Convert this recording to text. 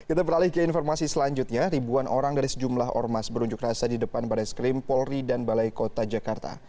kita beralih ke informasi selanjutnya ribuan orang dari sejumlah ormas berunjuk rasa di depan baris krim polri dan balai kota jakarta